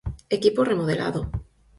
Equipo remodelado.